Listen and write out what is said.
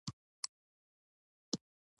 سلطان جلال الدین محمد خوارزمشاه مقاومتونه کول.